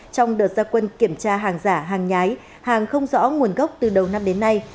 trong đợt gia quân kiểm tra hàng giả hàng nhái hàng không rõ nguồn gốc từ đầu năm đến nay